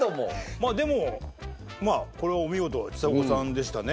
まあでもまあこれはお見事ちさ子さんでしたね。